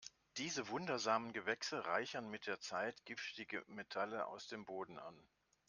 Diese wundersamen Gewächse reichern mit der Zeit giftige Metalle aus dem Boden an.